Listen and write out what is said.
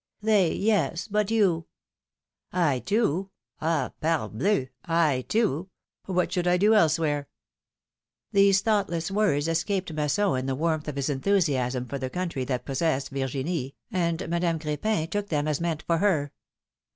^^ They, yes ; but you I too ; ah ! parbleu I I too ! What should I do else where ? These thoughtless words escaped Masson in the warmth of his enthusiasm for the country that possessed Virginie, and Madame Crepin took them as meant for her.